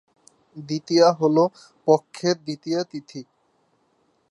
দ্বিতীয়া হল পক্ষের দ্বিতীয়া তিথি।